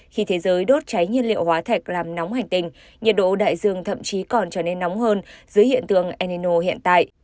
khi thế giới đốt cháy nhiên liệu hóa thạch làm nóng hành tinh nhiệt độ đại dương thậm chí còn trở nên nóng hơn dưới hiện tượng enino hiện tại